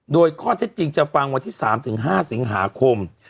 โดยข้อเท็จจริงจะฟังวันที่สามถึงห้าสิงหาคม